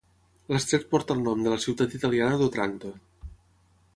L'estret porta el nom de la ciutat italiana d'Otranto.